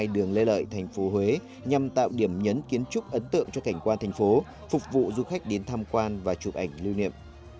đường lê lợi thành phố huế nhằm tạo điểm nhấn kiến trúc ấn tượng cho cảnh quan thành phố phục vụ du khách đến tham quan và chụp ảnh lưu niệm